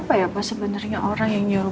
tapi siapa ya pak sebenarnya orang yang nyuruh